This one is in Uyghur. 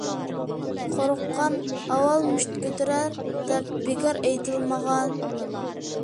«قورققان ئاۋۋال مۇشت كۆتۈرەر» دەپ بىكار ئېيتىلمىغان.